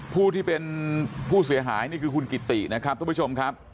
ผู้ที่เป็นผู้เสียหายนี่คือคุณกิตินะครับทุกผู้ชมครับ